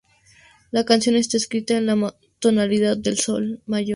La canción está escrita en la tonalidad "sol" mayor.